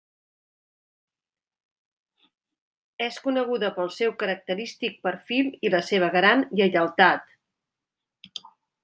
És coneguda pel seu característic perfil i la seva gran lleialtat.